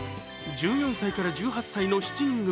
１４歳から１８歳の７人組。